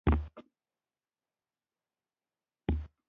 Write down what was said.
لاسپوڅو حکومتونو سیریلیون سخت اغېزمن او بدل کړ.